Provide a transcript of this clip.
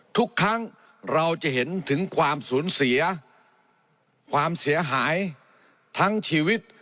ทุกครั้งเราจะเห็นถึงความสูญเสียความเสียหายทั้งชีวิต